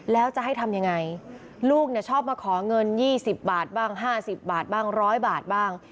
แล้วจะให้ทำยังไงลูกเนี่ยชอบมาขอเงิน๒๐บาทบ้าง๕๐บาทบ้าง๑๐๐บาทบ้าง